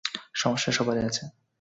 সমস্যা সবারই আছে।